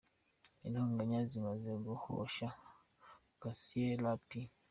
Intonganya zimaze guhosha, Cassie na P.